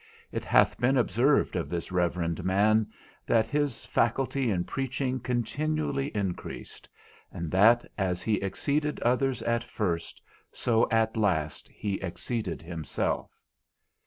It hath been observed of this reverend man, that his faculty in preaching continually increased, and that, as he exceeded others at first, so at last he exceeded himself.